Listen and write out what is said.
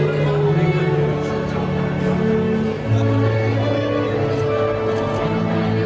สวัสดีสวัสดีสวัสดี